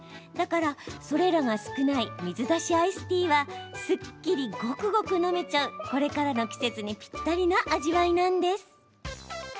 だから、それらが少ない水出しアイスティーはすっきり、ごくごく飲めちゃうこれからの季節にぴったりな味わいなんです。